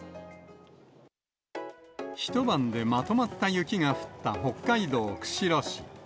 一晩でまとまった雪が降った北海道釧路市。